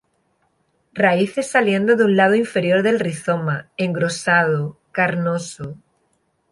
Raíces saliendo de un lado inferior del rizoma, engrosado, carnoso.